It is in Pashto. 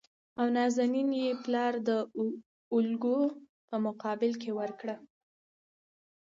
او نازنين يې پلار د اوولکو په مقابل کې ورکړه .